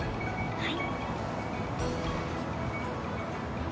はい。